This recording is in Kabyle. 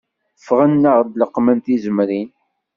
Ffɣen ad leqmen tizemrin